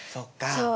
そう。